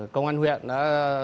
công an huyện đã